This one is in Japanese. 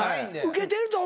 ウケてると。